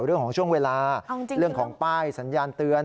เรื่องของช่วงเวลาเรื่องของป้ายสัญญาณเตือน